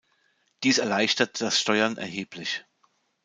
Dies erleichtert das Steuern erheblich.